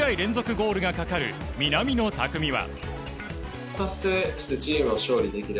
ゴールがかかる南野拓実は。